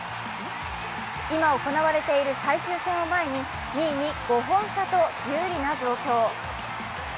今行われている最終戦を前に２位に５本差と有利な状況。